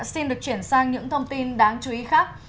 xin được chuyển sang những thông tin đáng chú ý khác